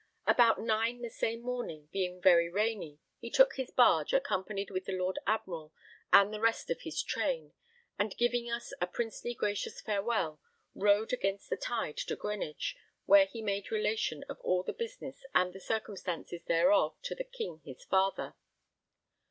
About nine the same morning, being very rainy, he took his barge, accompanied with the Lord Admiral and the rest of his train, and, giving us a princely gracious farewell, rowed against the tide to Greenwich, where he made relation of all the business and the circumstances thereof to the King his father.